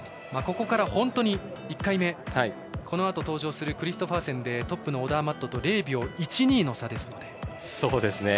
ここから本当に１回目このあと登場するクリストファーセンでトップのオダーマットと０秒１２の差ですので。